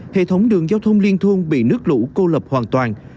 hệ thống đường giao thông liên thôn bị nước lũ cô lập hoàn toàn